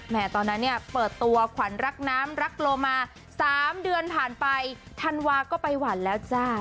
ตอนนั้นเนี่ยเปิดตัวขวัญรักน้ำรักโลมา๓เดือนผ่านไปธันวาก็ไปหวันแล้วจ้า